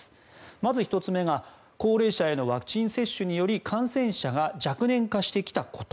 まず１つ目が高齢者へのワクチン接種により感染者が若年化してきたこと。